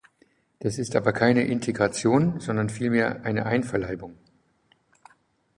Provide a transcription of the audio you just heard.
Das ist aber keine Integration, sondern viel mehr eine Einverleibung.